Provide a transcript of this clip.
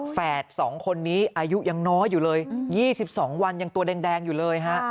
แฝด๒คนนี้อายุยังน้อยอยู่เลย๒๒วันยังตัวแดงอยู่เลยฮะ